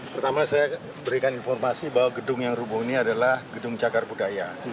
pertama saya berikan informasi bahwa gedung yang rubuh ini adalah gedung cagar budaya